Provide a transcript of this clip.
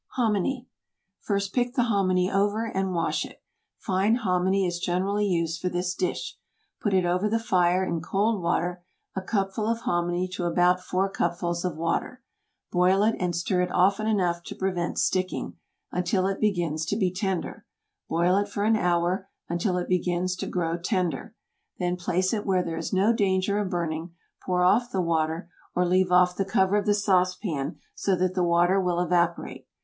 HOMINY. First pick the hominy over and wash it. Fine hominy is generally used for this dish. Put it over the fire in cold water, a cupful of hominy to about four cupfuls of water. Boil it and stir it often enough to prevent sticking, until it begins to be tender. Boil it for an hour, until it begins to grow tender. Then place it where there is no danger of burning, pour off the water, or leave off the cover of the sauce pan so that the water will evaporate.